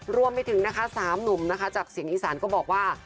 รวมไปถึงนะคะ๓หนุ่มนะคะจากเสียงอีสานก็บอกว่า